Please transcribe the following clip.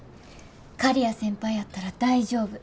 刈谷先輩やったら大丈夫。